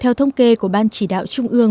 theo thông kê của ban chỉ đạo trung ương